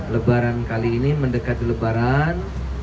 lebaran kali ini mendekati lebaran